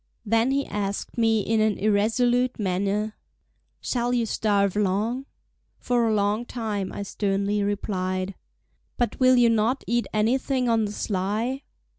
Then he asked me in an irresolute manner: "Shall you starve long?" "For a long time," I sternly replied. "But will you not eat anything on the sly?"